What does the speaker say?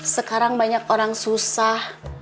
sekarang banyak orang susah